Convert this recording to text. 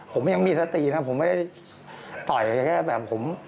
ผมยังมีสตินะผมไม่ได้ต่อยแค่แบบผม